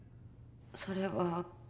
それは。